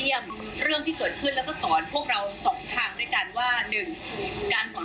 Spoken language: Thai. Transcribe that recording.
เหี้ยวเรื่องที่เกิดขึ้นแล้วสอนพวกเราส่งที่เราด้วยกันว่านึกการสอน